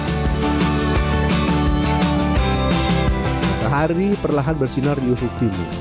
setengah hari perlahan bersinar yuhuk ini